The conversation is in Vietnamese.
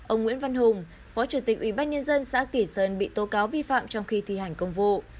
ông nguyễn văn hùng phó chủ tịch ubnd xã kỳ sơn bị tố cáo vi phạm trong khi thi hành công vụ